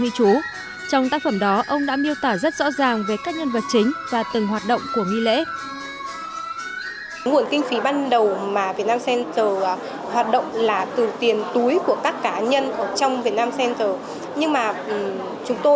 nhưng mà chúng tôi thì rất là hy vọng rằng là cái sản phẩm đồng tiền của việt nam center là từ tiền túi của các cá nhân trong việt nam center